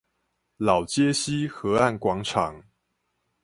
老街溪河岸廣場